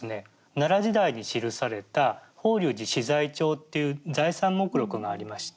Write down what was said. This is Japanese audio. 奈良時代に記された法隆寺資材帳っていう財産目録がありまして。